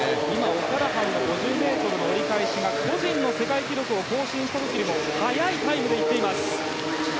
オキャラハンの５０の折り返しが個人の世界記録を更新した時より速いタイムです。